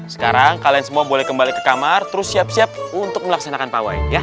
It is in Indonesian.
sekarang kalian semua boleh kembali ke kamar terus siap siap untuk melaksanakan pawai